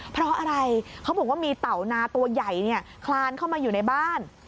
เพราะอะไรเขาบอกว่ามีเต่านาตัวใหญ่คลานเข้ามาอยู่ในบ้าน